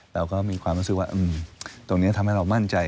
เราก็มีความรู้สึกว่าตรงนี้ทำให้เรามั่นใจ